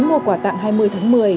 mua quà tặng hai mươi tháng một mươi